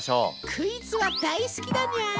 クイズは大好きだにゃー！